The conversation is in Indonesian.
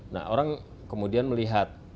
nah orang kemudian melihat